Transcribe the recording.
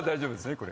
これ。